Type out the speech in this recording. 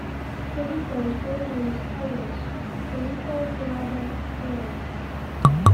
Filipo's birth name was Carlos Filipo Tirado Perea.